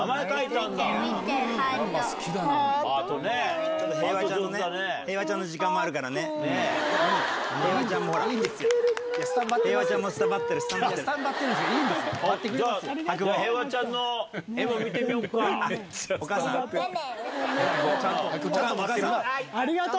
ありがとう！